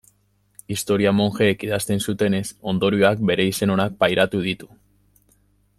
Historia monjeek idazten zutenez, ondorioak bere izen onak pairatu ditu.